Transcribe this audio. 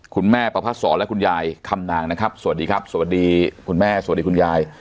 ประพัดศรและคุณยายคำนางนะครับสวัสดีครับสวัสดีคุณแม่สวัสดีคุณยาย